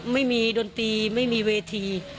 ไม่มีดนตรีไม่มีเวที